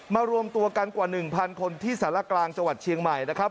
รวมตัวกันกว่า๑๐๐คนที่สารกลางจังหวัดเชียงใหม่นะครับ